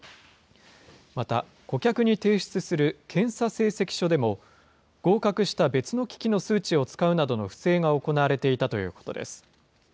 また顧客に提出する検査成績書でも、合格した別の機器の数値を使うなどの不正が行われていたということです。